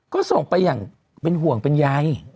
ก็ส่งไปอย่างเป็นห่วงเป็นใย